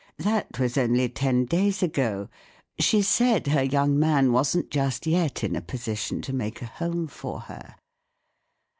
That was only ten days ago. She said her young man wasn't just yet in a position to make a home for her."